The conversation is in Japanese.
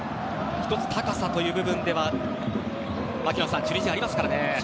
１つ高さという部分では槙野さん、チュニジアはありますからね。